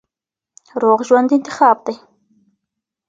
روغ ژوند انتخاب دی.